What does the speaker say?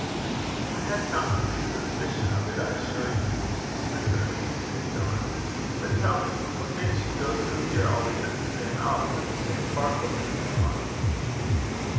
'I had not the least suspicion of it, I assure you,' returned Miss St. John. 'But, tell me, what makes you go through here always at the same hour with the same parcel under your arm?'